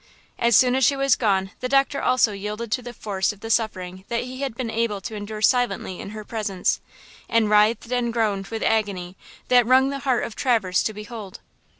As soon as she was gone the doctor also yielded to the force of the suffering that he had been able to endure silently in her presence, and writhed and groaned with agony–that wrung the heart of Traverse to behold.